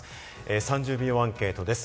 ３０秒アンケートです。